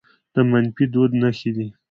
د منفي دود نښې دي